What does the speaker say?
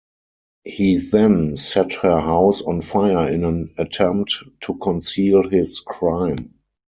He then set her house on fire in an attempt to conceal his crime.